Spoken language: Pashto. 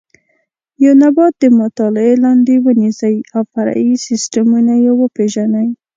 یو نبات د مطالعې لاندې ونیسئ او فرعي سیسټمونه یې وپېژنئ.